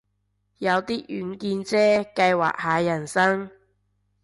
有啲遠見啫，計劃下人生